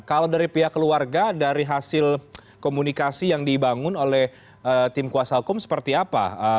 kalau dari pihak keluarga dari hasil komunikasi yang dibangun oleh tim kuasa hukum seperti apa